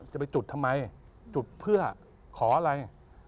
จะไปจุดทำไมจุดเพื่อขออะไร